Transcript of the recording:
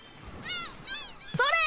それ！